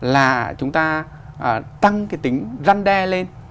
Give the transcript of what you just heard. là chúng ta tăng cái tính răn đe lên